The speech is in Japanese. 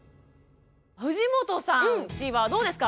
藤本さんちはどうですか？